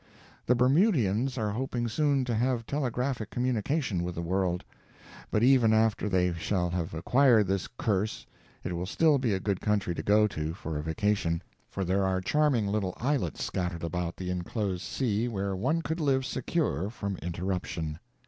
The Bermudians are hoping soon to have telegraphic communication with the world. But even after they shall have acquired this curse it will still be a good country to go to for a vacation, for there are charming little islets scattered about the inclosed sea where one could live secure from interruption.